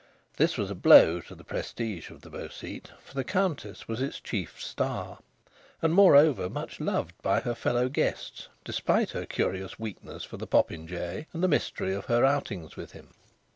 This was a blow to the prestige of the Beau Site. For the Countess was its chief star, and, moreover, much loved by her fellow guests, despite her curious weakness for the popinjay, and the mystery of her outings with him.